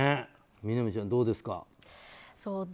みなみちゃん、どうですか。